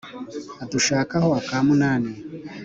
Adushaka ho akamunani